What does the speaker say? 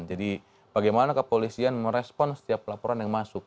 jadi bagaimana kepolisian merespon setiap laporan yang masuk